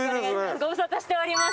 ご無沙汰しております。